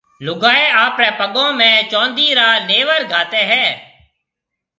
لوگائيَ آپريَ پگون ۾ چوندِي را نيور گھاتيَ ھيَََ